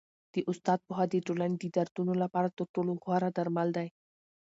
د استاد پوهه د ټولني د دردونو لپاره تر ټولو غوره درمل دی.